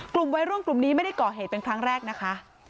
กลุ่มวัยรุ่นกลุ่มนี้ไม่ได้ก่อเหตุเป็นครั้งแรกนะคะ